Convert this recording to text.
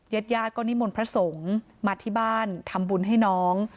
ญาติญาติก็นิมนต์พระสงฆ์มาที่บ้านทำบุญให้น้อง